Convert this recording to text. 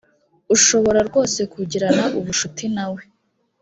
ushobora rwose kugirana ubucuti nawe